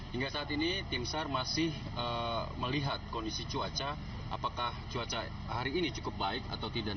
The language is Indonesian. hingga saat ini tim sar masih melihat kondisi cuaca apakah cuaca hari ini cukup baik atau tidak